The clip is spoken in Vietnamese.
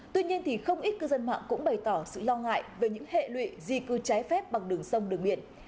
tuy nhiên thì không ít cư dân mạng cũng bày tỏ sự lo ngại về những hệ lụy di cư trái phép bằng đường sông đường biển